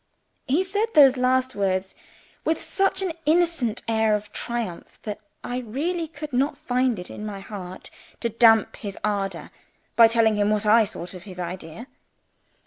He said those last words with such an innocent air of triumph, that I really could not find it in my heart to damp his ardor by telling him what I thought of his idea.